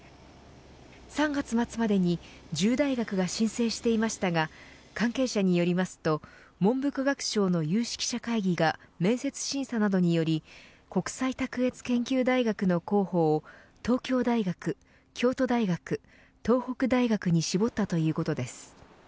３月末までに１０大学が申請していましたが関係者によりますと文部科学省の有識者会議が面接審査などにより国際卓越研究大学の候補を東京大学、京都大学、東北大学に絞ったということです。